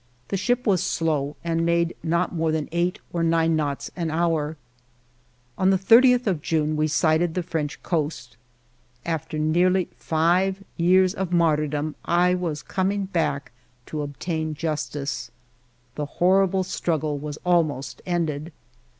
The ship was slow and made not more than eight or nine knots an hour. On the 30th of June, we sighted the French coast. After nearly five years of martyrdom, I was coming back to obtain justice. The horrible struggle was almost ended.